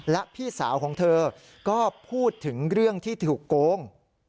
และพี่สาวของเธอก็พูดถึงเรื่องที่ถูกโกง